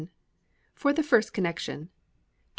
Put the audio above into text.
For the First Connexion, 2s.